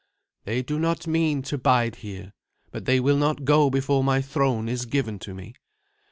"They do not mean to bide here, but they will not go before my throne is given to me.